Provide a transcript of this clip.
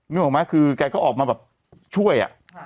นึกออกไหมคือแกก็ออกมาแบบช่วย